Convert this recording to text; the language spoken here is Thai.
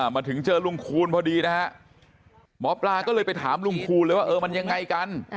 มาถึงเจอลุงคูณพอดีนะฮะหมอปลาก็เลยไปถามลุงคูณเลยว่าเออมันยังไงกัน